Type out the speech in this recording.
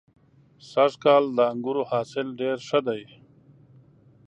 سږ کال د انګورو حاصل ډېر ښه دی.